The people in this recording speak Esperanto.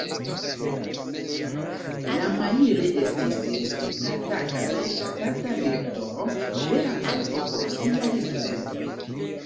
Lemaire estis respektata kaj ŝatata direktoro, vera patro por siaj studentoj.